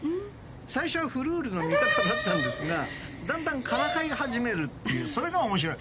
最初はフルールの味方だったんですがだんだんからかい始めるっていうそれが面白い！